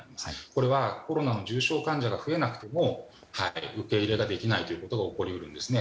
これはコロナの重症患者が増えなくても受け入れができないことが起こり得るんです。